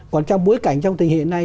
còn trong bối cảnh trong tình hiện nay